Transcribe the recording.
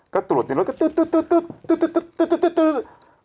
ก็ตรวจอยู่แล้ว